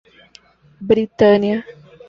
Britânia